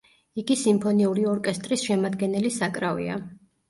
იგი სიმფონიური ორკესტრის შემადგენელი საკრავია.